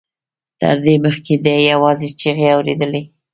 تر دې مخکې ده يوازې چيغې اورېدې.